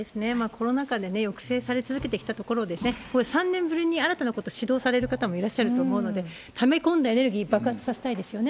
コロナ禍で抑制され続けてきたところで、これ、３年ぶりに新たなこと始動される方もいらっしゃると思うので、ため込んでエネルギー爆発させたいですよね。